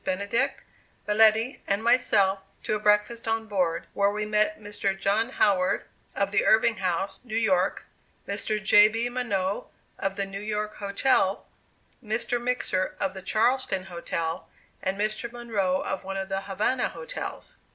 Benedict, Belletti and myself to a breakfast on board, where we met Mr. John Howard, of the Irving House, New York, Mr. J. B. Monnot, of the New York Hotel, Mr. Mixer, of the Charleston Hotel, and Mr. Monroe of one of the Havana hotels.